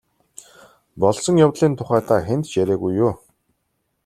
Болсон явдлын тухай та хэнд ч яриагүй юу?